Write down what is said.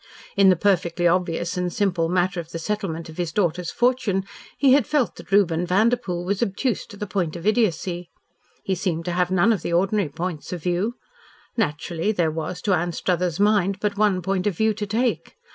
In the perfectly obvious and simple matter of the settlement of his daughter's fortune, he had felt that Reuben Vanderpoel was obtuse to the point of idiocy. He seemed to have none of the ordinary points of view. Naturally there was to Anstruthers' mind but one point of view to take.